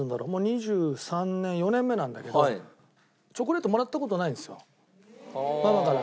２３年２４年目なんだけどチョコレートもらった事ないんですよママから。